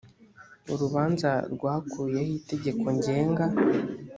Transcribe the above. urubanza rwakuyeho itegeko ngenga